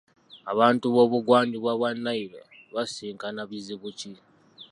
Abantu b'obugwanjuba bwa Nile basisinkana bizibu ki ?